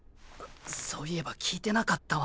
そういえば聞いてなかったわ。